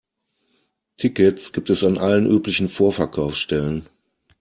Tickets gibt es an allen üblichen Vorverkaufsstellen.